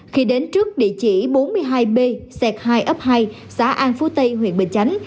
khi đến trước địa chỉ bốn mươi hai b hai f hai xã an phú tây huyện bình chánh